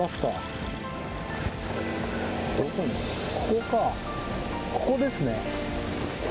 ここか、ここですね。